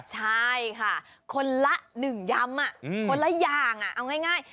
ใช่ค่ะคนละ๑ยำคนละอย่างเอาง่าย